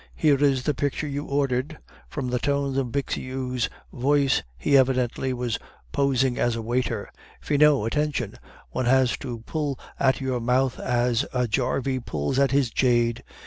Here is the picture you ordered!" (from the tones of Bixiou's voice, he evidently was posing as a waiter.) "Finot, attention, one has to pull at your mouth as a jarvie pulls at his jade.